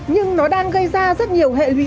nhưng nó đang gây ra rất nhiều hệ lụy